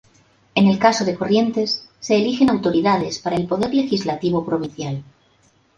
En el caso de Corrientes, se eligen autoridades para el Poder Legislativo provincial.